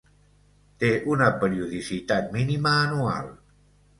Té una periodicitat mínima anual.